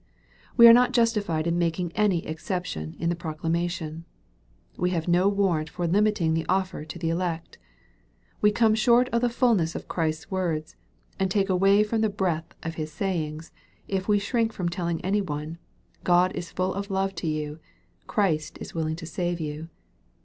We are not justified in making any exception in the proclamation. We have no warrant for limiting the offer to the elect. We come short of the fulness of Christ's words, and take away from the breadth of His sayings, if we shrink from telling any one, " God is full of love to you, Christ is willing to save you."